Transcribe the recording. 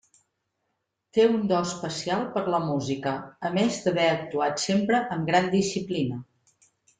Té un do especial per la música, a més d'haver actuat sempre amb gran disciplina.